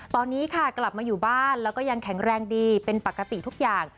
ตอนนี้ค่ะกลับมาอยู่บ้านแล้วก็ยังแข็งแรงดีเป็นปกติทุกอย่าง